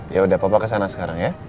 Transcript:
ya udah papa kesana sekarang ya